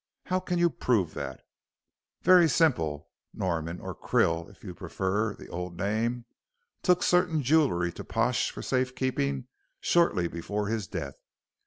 "How can you prove that?" "Very simply. Norman or Krill if you prefer the old name took certain jewellery to Pash for safe keeping shortly before his death.